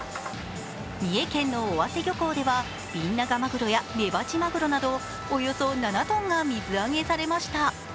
三重県の尾鷲漁港ではビンナガマグロやメバチマグロなどおよそ７ｔが水揚げされました。